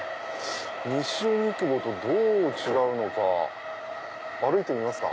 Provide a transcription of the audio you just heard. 西荻窪とどう違うのか歩いてみますか。